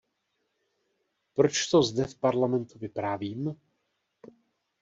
Proč to zde v Parlamentu vyprávím?